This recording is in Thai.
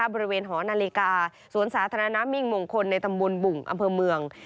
หอนาฬิกาสวนสาธารณะมิ่งมงคลในตำบลบุ่งอำเภอเมือง